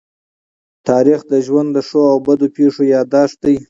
تاریخ د ژوند د ښو او بدو پېښو يادښت دی.